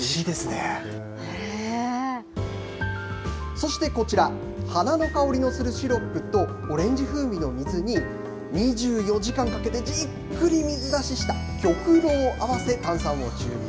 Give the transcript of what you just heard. そしてこちら、花の香りのするシロップとオレンジ風味の水に、２４時間かけてじっくり水出しした玉露を合わせ、炭酸を注入。